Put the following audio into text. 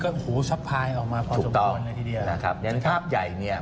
ก็หูสะพายออกมาพอสมควรเลยทีเดียวนะครับดังภาพใหญ่เนี่ย